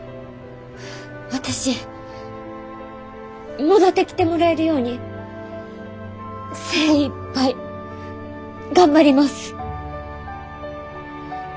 私戻ってきてもらえるように精いっぱい頑張ります。